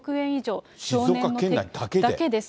静岡県内だけで？だけです。